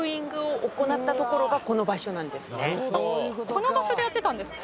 この場所でやってたんですか。